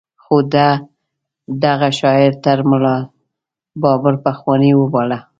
خو ده دغه شاعر تر ملا بابړ پخوانۍ وباله.